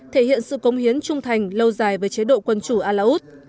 thể hiện sự cống hiến trung thành lâu dài với chế độ quân chủ a la út